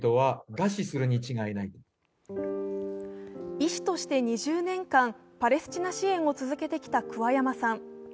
医師として２０年間、パレスチナ支援を続けてきた桑山さん。